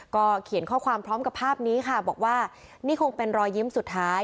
เขียนข้อความพร้อมกับภาพนี้ค่ะบอกว่านี่คงเป็นรอยยิ้มสุดท้าย